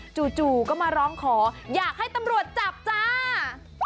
จู่ก็มาร้องขออยากให้ตำรวจจับจ้า